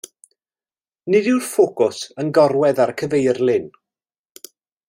Nid yw'r ffocws yn gorwedd ar y cyfeirlin.